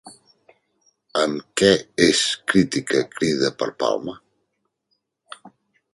Amb què és crítica Crida per Palma?